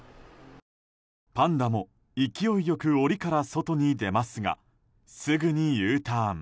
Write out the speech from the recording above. パンダも勢いよく檻から外に出ますがすぐにＵターン。